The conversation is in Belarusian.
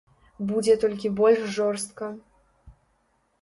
Будзе толькі больш жорстка.